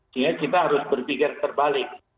sehingga kita harus berpikir terbalik